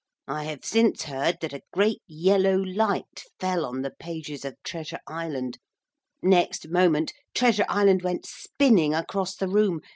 I have since heard that a great yellow light fell on the pages of Treasure Island. Next moment Treasure Island went spinning across the room.